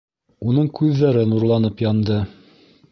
Уның күҙҙәре нурланып янды.